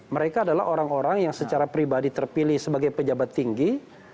mereka adalah orang orang yang secara pribadi terpilih sebagai pejabat tinggi